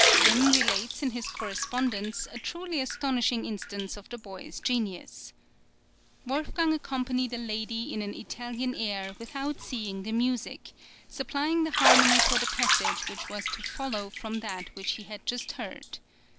Grimm relates in his correspondence a truly astonishing instance of the boy's genius. Wolfgang accompanied a lady in an Italian air without seeing the music, supplying the harmony for the passage which was to follow from that which he had just heard.